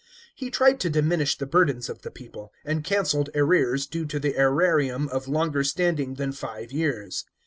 He tried to diminish the burdens of the people, and cancelled arrears due to the seiarium of longer standing than five years.